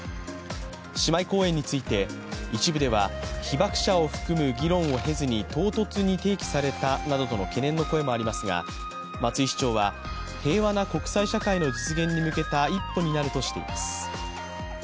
姉妹公園について一部では被爆者を含む議論を経ずに唐突に提起されたなどとの懸念の声もありますが、松井市長は平和な国際社会の実現に向けた一歩になるとしています。